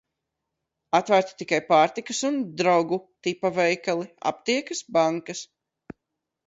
Atvērti tikai pārtikas un "Drogu" tipa veikali, aptiekas, bankas.